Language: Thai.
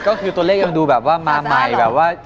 ก็คือตัวเลขยังดูมาใหม่